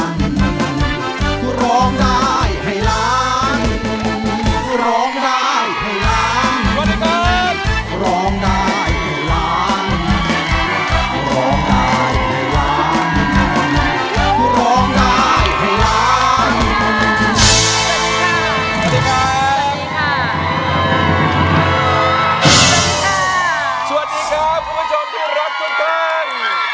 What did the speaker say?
สวัสดีครับคุณผู้ชมพี่รัททุกคัญ